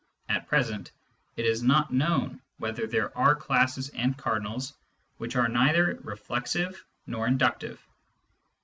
At present, it is not known whether there are classes and cardinals which are neither reflexive nor inductive.